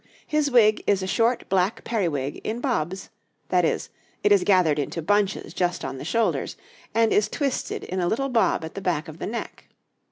His wig is a short black periwig in bobs that is, it is gathered into bunches just on the shoulders, and is twisted in a little bob at the back of the neck.